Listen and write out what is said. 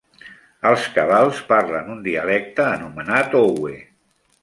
Els cabals parlen un dialecte anomenat owe.